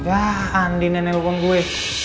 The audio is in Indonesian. jahan nih nenek lubang gue